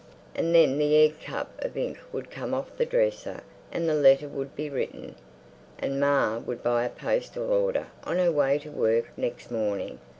And then the egg cup of ink would come off the dresser and the letter would be written, and Ma would buy a postal order on her way to work next morning.